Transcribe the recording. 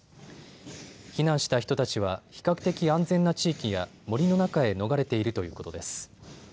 避難した人たちは比較的安全な地域や森の中へ逃れているということです。